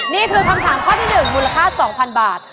นี่คือคำถามข้อที่๑มูลค่า๒๐๐๐บาท